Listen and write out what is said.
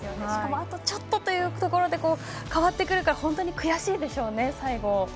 しかも、あとちょっとというところで変わってくると本当に悔しいでしょうね、最後。